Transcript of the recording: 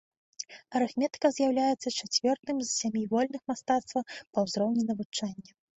Арыфметыка з'яўляецца чацвёртым з сямі вольных мастацтваў па ўзроўні навучання.